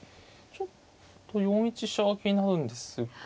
ちょっと４一飛車は気になるんですが。